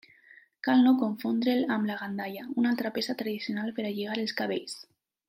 Cal no confondre'l amb la gandalla, una altra peça tradicional per a lligar els cabells.